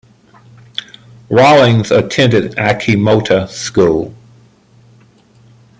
Rawlings attended Achimota School.